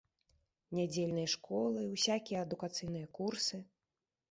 Нядзельныя школы, усякія адукацыйныя курсы.